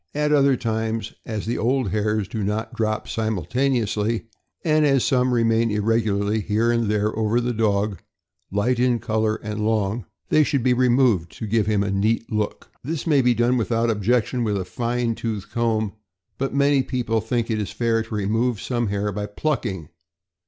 At other times, as the old hairs do not drop simultaneously, and as some remain irregularly here and there over the dog, light in color and long, they should be removed to give him a neat look. This may be done without objection with a fine tooth comb, but many people think it fair to remove some hair by plucking.